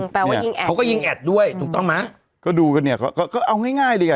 แปลว่ายิงแอดเขาก็ยิงแอดด้วยถูกต้องไหมก็ดูกันเนี่ยเขาก็เอาง่ายง่ายเลยอ่ะ